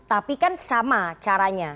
tapi kan sama caranya